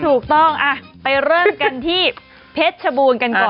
ถูกต้องไปเริ่มกันที่เพชรชบูรณ์กันก่อน